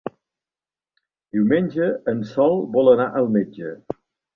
Diumenge en Sol vol anar al metge.